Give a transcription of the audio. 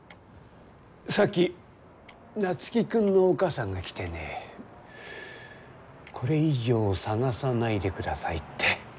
さっき夏樹君のお母さんが来てねこれ以上探さないでくださいって。